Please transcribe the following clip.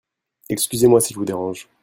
Excusez-moi si je vous dérange.